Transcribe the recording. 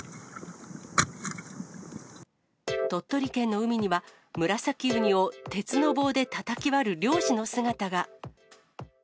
鳥取県の海には、ムラサキウニを鉄の棒でたたき割る漁師の姿が。